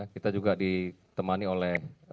kita juga ditemani oleh